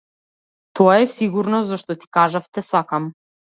Тоа е сигурно зашто ти кажав те сакам.